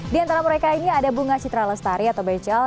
di antara mereka ini ada bunga citralestari atau bejel